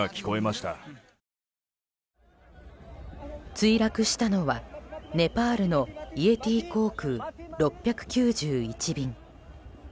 墜落したのは、ネパールのイエティ航空６９１便。